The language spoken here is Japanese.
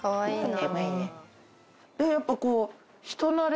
やっぱこう。